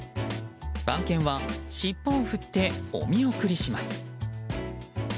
番犬は尻尾を振ってお見送りします。